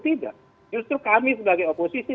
tidak justru kami sebagai oposisi